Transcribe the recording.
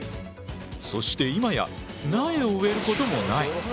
そして今や苗を植えることもない。